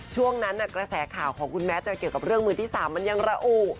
ช่วงนั้นกระแสข่าวของคุณแมทเกี่ยวกับเรื่องมือที่๓มันยังระอุ